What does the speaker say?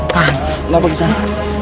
kenapa ke sana